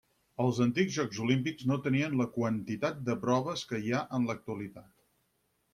Els antics Jocs Olímpics no tenien la quantitat de proves que hi ha en l'actualitat.